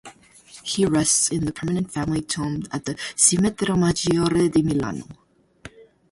He rests in the permanent family tomb at the Cimitero Maggiore di Milano.